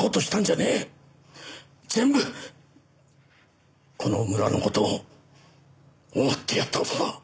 全部この村の事を思ってやった事だ。